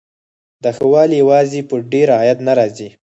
دا ښه والی یوازې په ډېر عاید نه راځي.